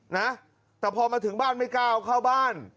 นะแต่พอมาถึงบ้านไม่กล้าเอาเข้าบ้าน